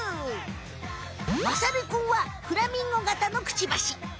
まさるくんはフラミンゴ型のクチバシ。